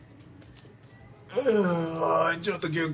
あっちょっと休憩。